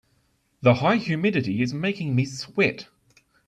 The high humidity is making me sweat.